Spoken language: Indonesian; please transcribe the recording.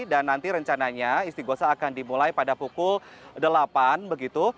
dan nanti rencananya isti gosah akan dimulai pada pukul delapan begitu